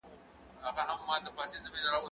زه به سبا ونې ته اوبه ورکوم،